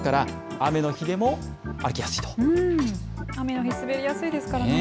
雨の日、滑りやすいですからね。